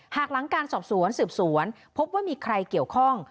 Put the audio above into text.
หากหลังการสอบสวนสืบสวนพบว่ามีใครเกี่ยวข้อง